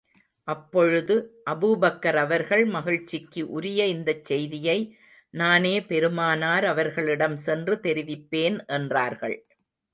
அப்பொழுது, அபூபக்கர் அவர்கள் மகிழ்ச்சிக்கு உரிய இந்தச் செய்தியை, நானே பெருமானார் அவர்களிடம் சென்று தெரிவிப்பேன் என்றார்கள்.